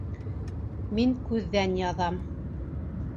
Мин күҙҙән яҙам